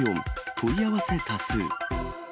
問い合わせ多数。